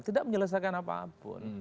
tidak menyelesaikan apa apa